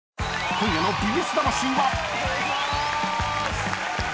［今夜の『ＶＳ魂』は］